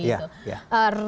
keniscayaan teknologi itu